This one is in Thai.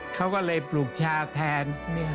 เขาก็เลยปลูกชาแทน